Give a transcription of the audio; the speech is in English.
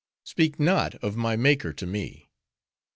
"Speak not of my Maker to me.